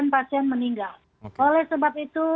pasien meninggal oleh sebab itu